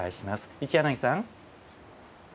一柳さん。